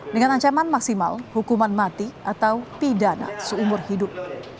dengan ancaman maksimal hukuman mati atau pidana seumur hidup